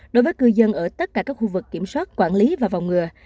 đối với cư dân ở tất cả các khu vực kiểm soát quản lý và phòng ngừa